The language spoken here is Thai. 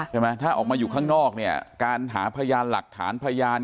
ใช่ไหมถ้าออกมาอยู่ข้างนอกเนี่ยการหาพยานหลักฐานพยาน